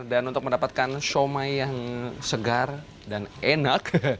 dan untuk mendapatkan shumai yang segar dan enak